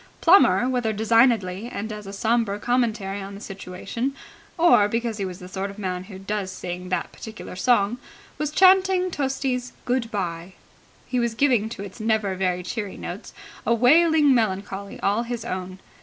Plummer, whether designedly and as a sombre commentary on the situation or because he was the sort of man who does sing that particular song, was chanting Tosti's "Good bye". He was giving to its never very cheery notes a wailing melancholy all his own.